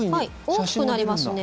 大きくなりますね。